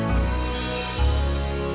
kalau mau di book nosotros